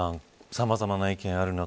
さまざまな意見ある中